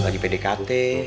gak di pdkt